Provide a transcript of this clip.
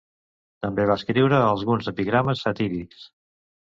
També va escriure alguns epigrames satírics.